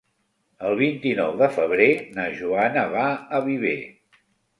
El vint-i-nou de febrer na Joana va a Viver.